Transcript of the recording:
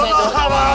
aduh aneh aneh